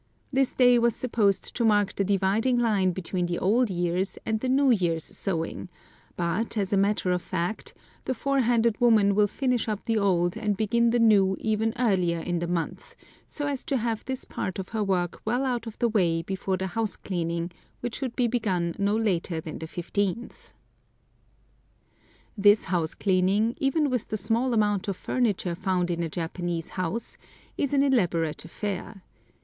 This day was supposed to mark the dividing line between the old year's and the new year's sewing, but, as a matter of fact, the forehanded woman will finish up the old and begin the new even earlier in the month, so as to have this part of her work well out of the way before the house cleaning, which should be begun not later than the fifteenth. This house cleaning, even with the small amount of furniture found in a Japanese house, is an elaborate affair.